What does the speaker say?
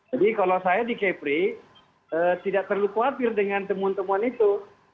jadi kalau saya di kepri tidak terlalu khawatir dengan temuan temuan itu